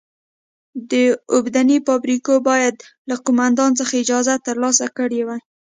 د اوبدنې فابریکو باید له قومندان څخه اجازه ترلاسه کړې وای.